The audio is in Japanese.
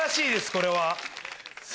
これは。